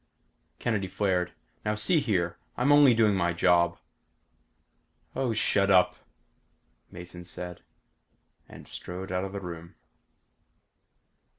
Kennedy flared. "Now see here. I'm only doing my job!" "Oh shut up," Mason said. And strode out of the room.